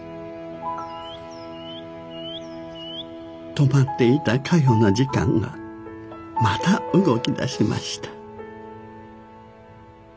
止まっていたかよの時間がまた動き出しました。